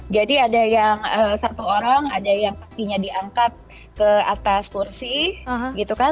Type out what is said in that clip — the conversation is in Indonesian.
jadi ada yang satu orang ada yang kakinya diangkat ke atas kursi gitu kan